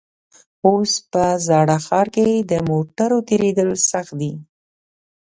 اوس په زاړه ښار کې د موټرو تېرېدل سخت دي.